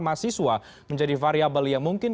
mahasiswa menjadi variable yang mungkin